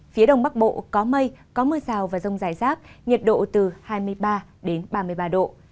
phía đông bắc bộ có mây có mưa rào và rông rải rác nhiệt độ từ hai mươi ba đến ba mươi ba độ